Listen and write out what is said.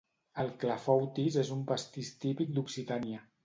El clafoutis és un pastís típic d'Occitània